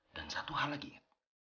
dan satu hal lagi ingat